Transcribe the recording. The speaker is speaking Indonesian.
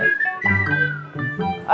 aduh aku bisa